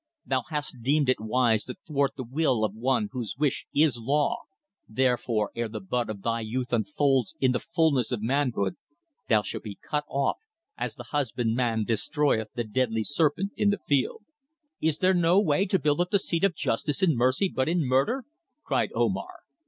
"Thou hast deemed it wise to thwart the will of one whose wish is law, therefore ere the bud of thy youth unfolds in the fulness of manhood, thou shalt be cut off as the husbandman destroyeth the deadly serpent in the field." "Is there no way to build up the seat of justice and mercy but in murder?" cried Omar.